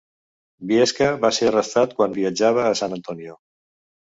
Viesca va ser arrestat quan viatjava a San Antonio.